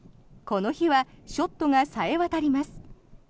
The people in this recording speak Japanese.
この日はショットがさえ渡ります。